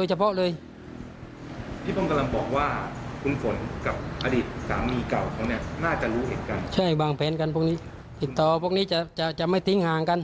ใช่วางแผนกันพวกนี้ติดต่อพวกนี้จะไม่ทิ้งห่างกัน